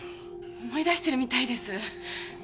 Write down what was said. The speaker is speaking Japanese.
思い出してるみたいです。